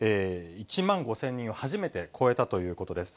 １万５０００人を初めて超えたということです。